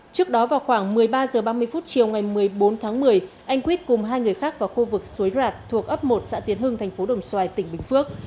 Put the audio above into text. trước đó vào khoảng một mươi ba h ba mươi chiều ngày một mươi bốn tháng một mươi anh quýt cùng hai người khác vào khu vực suối rạt thuộc ấp một xã tiến hưng thành phố đồng xoài tỉnh bình phước